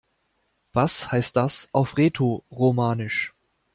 Was heißt das auf Rätoromanisch?